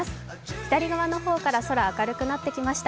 左側の方から空、明るくなってきました。